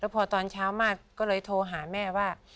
พอตอนเช้ามากก็เลยโทรหาแม่ว่า